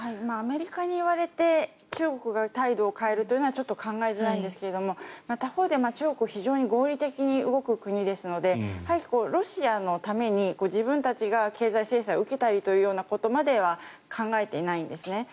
アメリカに言われて中国が態度を変えるというのはちょっと考えづらいんですが他方で中国は合理的に動く国ですのでロシアのために自分たちが経済制裁を受けたりということまでは考えていないんですね。